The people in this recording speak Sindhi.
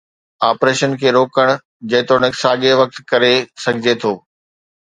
آپريشن کي روڪڻ، جيتوڻيڪ، ساڳئي وقت ڪري سگهجي ٿو.